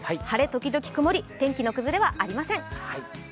晴れ時々曇り、天気の崩れはありません。